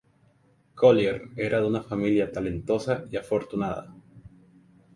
Collier era de una familia talentosa y afortunada.